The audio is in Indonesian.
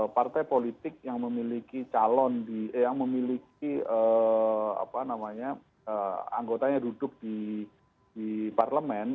partai politik yang memiliki calon yang memiliki anggotanya duduk di parlemen